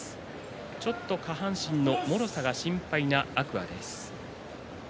下半身のもろさが心配な天空海です。